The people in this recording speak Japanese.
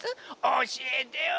おしえてよ！